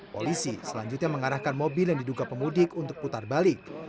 polisi selanjutnya mengarahkan mobil yang diduga pemudik untuk putar balik